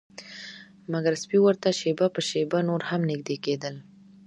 مګر سپي ورته شیبه په شیبه نور هم نږدې کیدل